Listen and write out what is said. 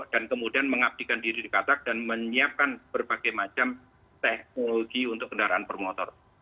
dan kemudian mengabdikan diri di catarc dan menyiapkan berbagai macam teknologi untuk kendaraan per motor